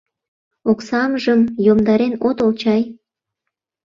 — Оксамжым йомдарен отыл чай?